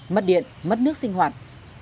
mất điện mất nước sinh hoạt